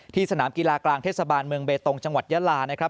สนามกีฬากลางเทศบาลเมืองเบตงจังหวัดยาลานะครับ